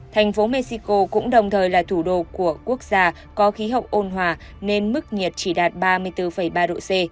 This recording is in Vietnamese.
thành phố mexico cũng đồng thời là thủ đô của quốc gia có khí hậu ôn hòa nên mức nhiệt chỉ đạt ba mươi bốn ba độ c